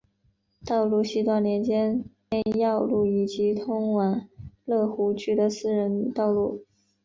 道路西端连接天耀路以及通往乐湖居的私人道路。